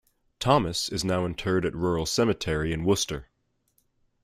Thomas is now interred at Rural Cemetery in Worcester.